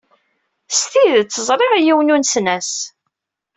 S tidet ẓriɣ yiwen unesnas.